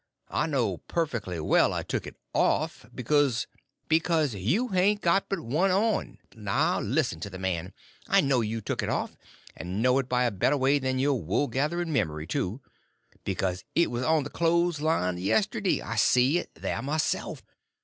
I know perfectly well I took it off, because—" "Because you hain't got but one on. Just listen at the man! I know you took it off, and know it by a better way than your wool gethering memory, too, because it was on the clo's line yesterday—I see it there myself.